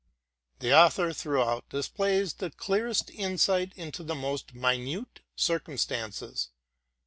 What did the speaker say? The author throughout displays the clearest insight into the most minute circumstances.